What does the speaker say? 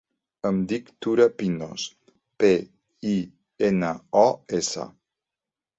Em dic Tura Pinos: pe, i, ena, o, essa.